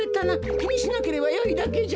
きにしなければよいだけじゃ。